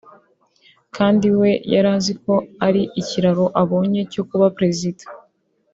kandi we yari azi ko ari ikiraro abonye cyo kuba Perezida